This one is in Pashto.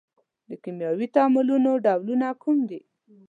د کیمیاوي تعاملونو ډولونه کوم دي؟